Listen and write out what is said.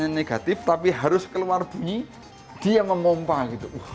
tekanan negatif tapi harus keluar bunyi dia memumpah